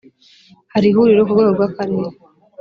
hari ihuriro ku rwego rw’akarere